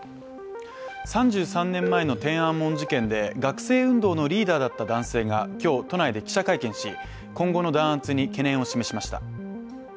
３３年前の天安門事件で学生運動のリーダーだった男性が今日、都内で記者会見し、今後の弾圧に懸念を示しました。